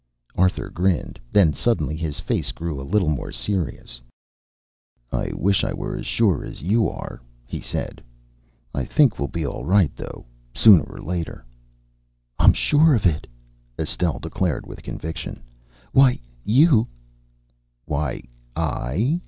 Arthur grinned, then suddenly his face grew a little more serious. "I wish I were as sure as you are," he said. "I think we'll be all right, though, sooner or later." "I'm sure of it," Estelle declared with conviction. "Why, you " "Why I?"